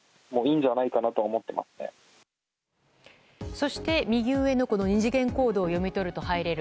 そして右上の二次元コードを読み取ると入れる